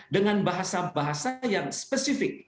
dengan bahasa bahasa yang spesifik